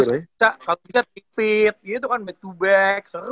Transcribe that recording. kalau kita tikpit gitu kan back to back seru